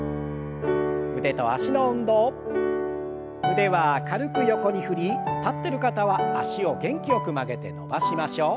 腕は軽く横に振り立ってる方は脚を元気よく曲げて伸ばしましょう。